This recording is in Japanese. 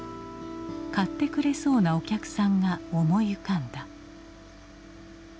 買ってくれそうなお客さんが思い浮かんだ。